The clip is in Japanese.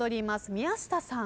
宮下さん。